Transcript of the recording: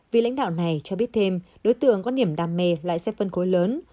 vị lãnh đạo này cho biết thêm đối tượng có niềm đam mê lại sẽ phân khối lớn